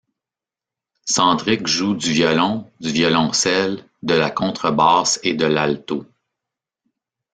Sandrick joue du violon, du violoncelle, de la contrebasse et de l'alto.